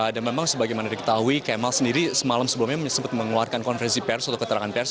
dan memang sebagaimana diketahui kemal sendiri semalam sebelumnya sempat mengeluarkan konferensi pers atau keterangan pers